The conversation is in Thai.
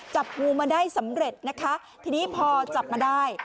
จับงูมาได้สำเร็จนะคะทีนี้พอจับมาได้